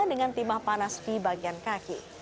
dengan timah panas di bagian kaki